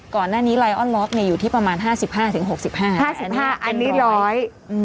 ก่อนหน้านี้ไลออนล็อกอยู่ที่ประมาณ๕๕๖๕อันนี้ร้อย